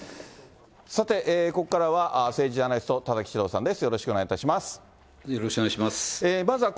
さて、ここからは政治ジャーナリスト、田崎史郎さんです。